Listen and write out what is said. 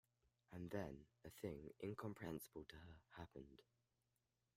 And then a thing incomprehensible to her happened.